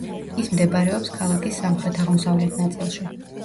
ის მდებარეობს ქალაქის სამხრეთ-აღმოსავლეთ ნაწილში.